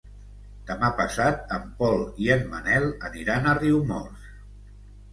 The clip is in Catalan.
Demà passat en Pol i en Manel aniran a Riumors.